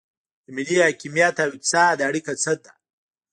د ملي حاکمیت او اقتصاد اړیکه څه ده؟